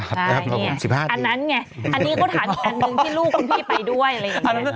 ใช่เนี่ยอันนั้นไงอันนี้ก็ถามอีกอันหนึ่งที่ลูกคุณพี่ไปด้วยอะไรอย่างนี้